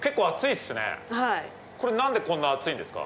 これ何でこんな熱いんですか？